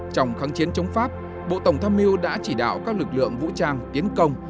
trong kháng chiến chống pháp bộ tổng tham mưu đã chỉ đạo các lực lượng vũ trang tiến công